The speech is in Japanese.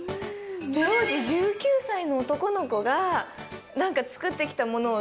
当時１９歳の男の子が作ってきたものを。